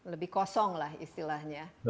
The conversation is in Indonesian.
lebih kosong lah istilahnya